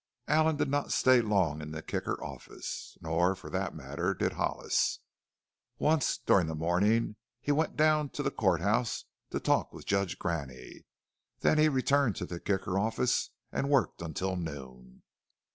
Allen did not stay long in the Kicker office. Nor, for that matter, did Hollis. Once, during the morning, he went down to the court house to talk with Judge Graney. Then he returned to the Kicker office and worked until noon.